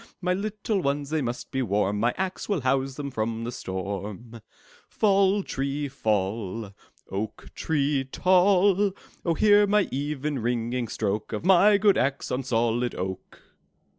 My little ones, they must be warm; My axe will house them from the storm ! 'Tall, tree, fall! Oak tree tall! Oh, hear the even, ringing stroke Of my good axe on solid oak!